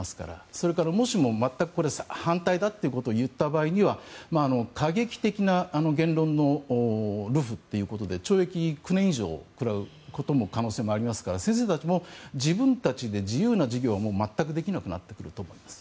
それからもしも全く反対だと言った場合には過激的な言論の流布ということで懲役９年以上食らう可能性もありますから先生たちも自分たちで自由な授業を全くできなくなってくると思います。